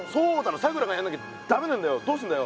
さくらがやんなきゃだめなんだよどうすんだよ。